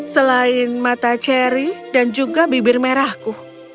selain mata ceri dan juga bibir merahku